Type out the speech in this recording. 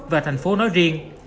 và thành phố nói riêng